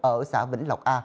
ở xã vĩnh lộc a